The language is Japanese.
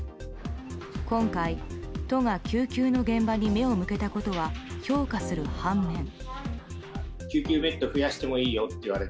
今回、都が救急の現場に目を向けたことは評価する反面。